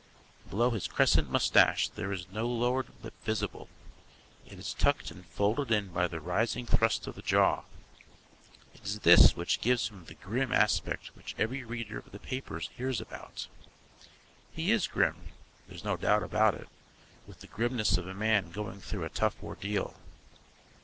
Below his crescent moustache there is no lower lip visible: it is tucked and folded in by the rising thrust of the jaw. It is this which gives him the "grim" aspect which every reader of the papers hears about. He is grim, there's no doubt about it, with the grimness of a man going through a tough ordeal.